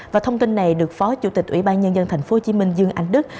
và thông tin này được phó chủ tịch ủy ban nhân dân tp hcm dương anh đức